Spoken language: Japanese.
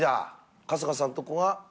春日さんとこは？